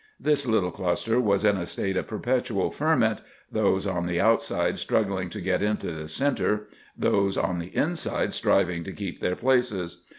This little cluster was in a state of perpetual ferment, those on the outside struggling to get into the centre, those on the inside striving to keep their places.